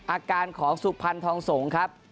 อาการของสุขพันธ์ทองสงครับ